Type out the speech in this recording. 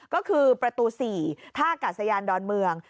ก็คือประตู๔ท่ากาศยานดอนเมือง